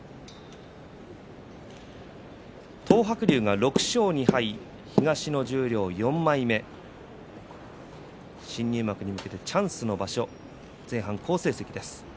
東白龍が６勝２敗東の十両４枚目新入幕に向けてチャンスの場所前半、好成績です。